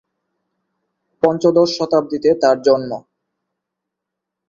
পঞ্চদশ শতাব্দীতে তাঁর জন্ম।